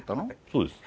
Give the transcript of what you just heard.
そうです。